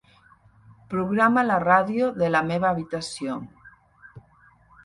Programa la ràdio de la meva habitació.